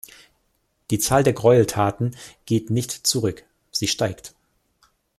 Die Zahl der Gräueltaten geht nicht zurück, sie steigt.